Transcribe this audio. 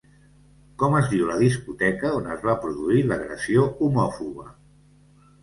Com es diu la discoteca on es va produir l'agressió homòfoba?